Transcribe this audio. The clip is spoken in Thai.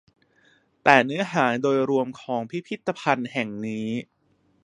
แต่เนื้อหาโดยรวมของพิพิธภัณฑ์แห่งนี้